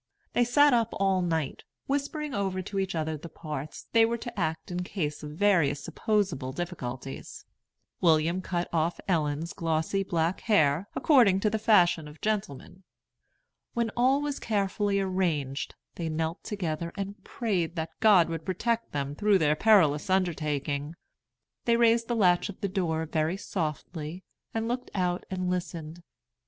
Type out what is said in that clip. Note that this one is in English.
They sat up all night, whispering over to each other the parts they were to act in case of various supposable difficulties. William cut off Ellen's glossy black hair, according to the fashion of gentlemen. When all was carefully arranged, they knelt together and prayed that God would protect them through their perilous undertaking. They raised the latch of the door very softly, and looked out and listened.